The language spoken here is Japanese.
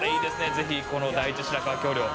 ぜひこの第一白川橋梁